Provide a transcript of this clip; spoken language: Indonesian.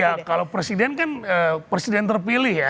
ya kalau presiden kan presiden terpilih ya